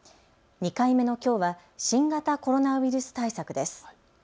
２回目のきょうは新型コロナウイルス対策です。